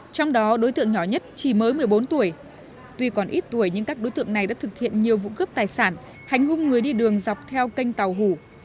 trong đó đối tượng nhỏ nhất chỉ mới một mươi bốn tuổi tuy còn ít tuổi nhưng các đối tượng này đã thực hiện nhiều vụ cướp tài sản hành hung người đi đường dọc theo kênh tàu hủ